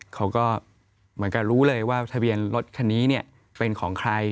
เขาก็เหมือนกับรู้เลยว่าทะเบียนรถคันนี้เป็นของใคร